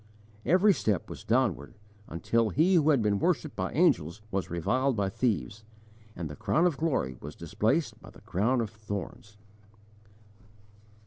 Every step was downward until He who had been worshipped by angels was reviled by thieves, and the crown of glory was displaced by the crown of thorns!